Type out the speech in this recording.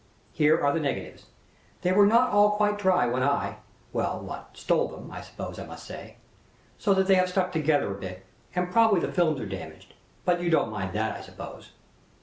Here are the negatives. They were not all quite dry when I well, what? stole them, I suppose I must say; so that they have stuck together a bit, and probably the films are damaged. But you don't mind that, I suppose?"